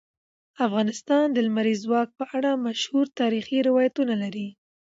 افغانستان د لمریز ځواک په اړه مشهور تاریخی روایتونه لري.